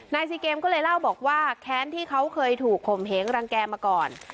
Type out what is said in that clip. ซีเกมก็เลยเล่าบอกว่าแค้นที่เขาเคยถูกข่มเหงรังแก่มาก่อน